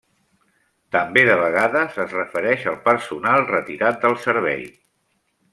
També de vegades es refereix al personal retirat del servei.